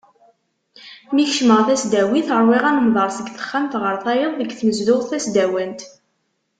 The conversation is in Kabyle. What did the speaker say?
Mi kecmeɣ tasdawit ṛwiɣ anemḍer seg texxamt ɣer tayeḍ deg tnezduɣt tasdawant.